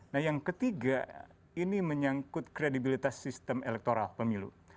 nah yang ketiga ini menyangkut kredibilitas sistem elektoral pemilu